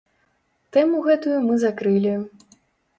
Тэму гэтую мы закрылі.